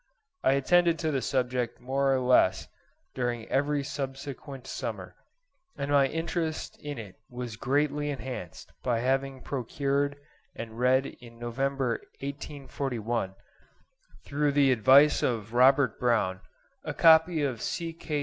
I attended to the subject more or less during every subsequent summer; and my interest in it was greatly enhanced by having procured and read in November 1841, through the advice of Robert Brown, a copy of C.